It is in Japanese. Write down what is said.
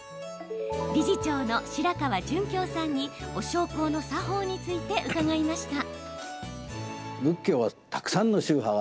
理事長の白川淳敬さんにお焼香の作法について伺いました。